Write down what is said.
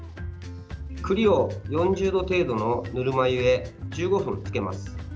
栗を４０度程度のぬるま湯へ１５分浸けます。